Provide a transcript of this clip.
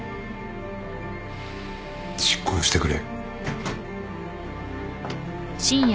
執行してくれ。